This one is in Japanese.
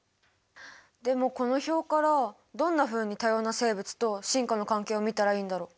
でもこの表からどんなふうに多様な生物と進化の関係を見たらいいんだろう？